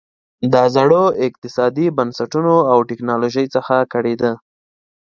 د زړو اقتصادي بنسټونو او ټکنالوژۍ څخه کړېده.